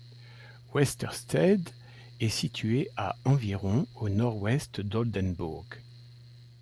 Westerstede est située à environ au nord-ouest d'Oldenbourg.